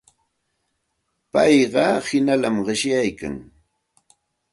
Payqa hinallami qishyaykan.